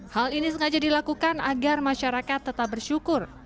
hal ini sengaja dilakukan agar masyarakat tetap bersyukur